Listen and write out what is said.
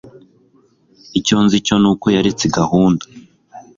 Icyo nzi cyo ni uko yaretse gahunda